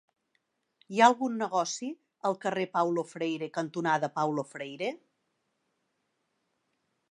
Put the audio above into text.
Hi ha algun negoci al carrer Paulo Freire cantonada Paulo Freire?